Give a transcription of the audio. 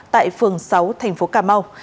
tại phường sáu tp cà mau